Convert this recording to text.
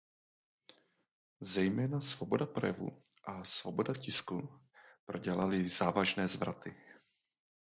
Zejména svoboda projevu a svoboda tisku prodělaly závažné zvraty.